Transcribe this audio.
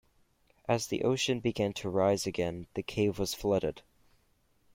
As the ocean began to rise again, the cave was flooded.